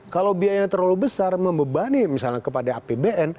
kalau biayanya terlalu besar membebani misalnya kepada apbn